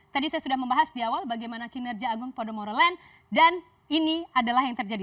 tadi saya sudah membahas di awal bagaimana kinerja agung podomoro land dan ini adalah yang terjadi